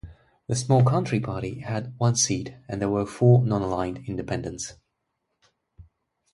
The small Country Party had one seat, and there were four non-aligned independents.